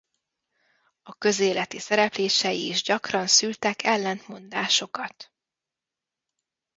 A közéleti szereplései is gyakran szülnek ellentmondásokat.